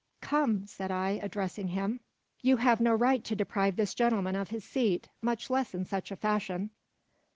"Come!" said I, addressing him, "you have no right to deprive this gentleman of his seat, much less in such a fashion."